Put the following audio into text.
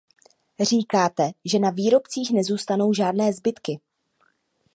Říkáte, že na výrobcích nezůstanou žádné zbytky.